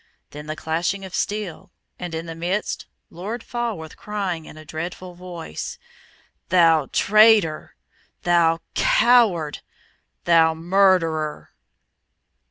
Then the clashing of steel, and in the midst Lord Falworth crying, in a dreadful voice, "Thou traitor! thou coward! thou murderer!"